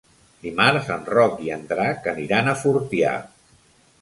Dimarts en Roc i en Drac aniran a Fortià.